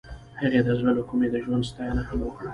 هغې د زړه له کومې د ژوند ستاینه هم وکړه.